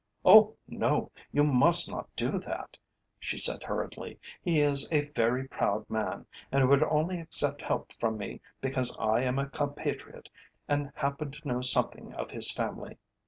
"Oh, no, you must not do that," she said hurriedly. "He is a very proud man, and would only accept help from me because I am a compatriot and happen to know something of his family.